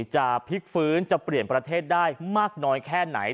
จะพลิกฟื้นจะเปลี่ยนประเทศได้มากน้อยแค่ไหน